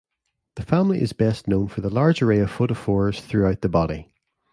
The family is best known for the large array of photophores throughout the body.